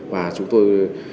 và chúng tôi